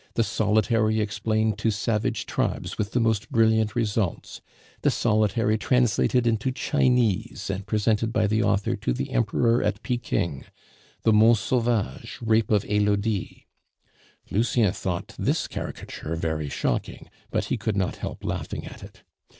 The Solitary explained to savage tribes, with the most brilliant results. The Solitary translated into Chinese and presented by the author to the Emperor at Pekin. The Mont Sauvage, Rape of Elodie." (Lucien though this caricature very shocking, but he could not help laughing at it.)